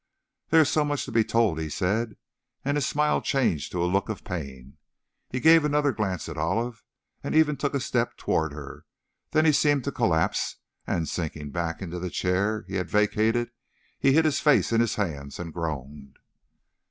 "There's so much to be told," he said, and his smile changed to a look of pain. He gave another glance at Olive, and even took a step toward her, then he seemed to collapse, and sinking back into the chair he had vacated, he hid his face in his hands and groaned.